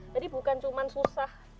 jadi bukan cuma susah